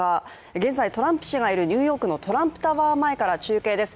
現在、トランプ氏がいるニューヨークのトランプタワー前から中継です。